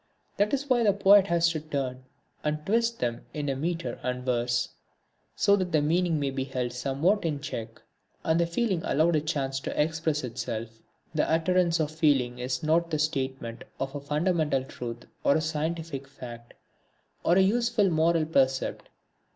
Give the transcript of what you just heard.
That is why the poet has to turn and twist them in metre and verse, so that the meaning may be held somewhat in check, and the feeling allowed a chance to express itself. This utterance of feeling is not the statement of a fundamental truth, or a scientific fact, or a useful moral precept.